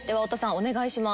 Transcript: お願いします。